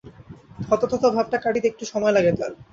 থতথত ভাবটা কাটিতে একটু সময় লাগে তার।